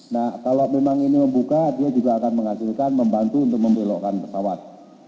nah kalau memang ini membuka dia juga akan menghasilkan membantu untuk membelokkan pesawat